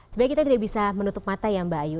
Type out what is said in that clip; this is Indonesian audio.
sebenarnya kita tidak bisa menutup mata ya mbak ayu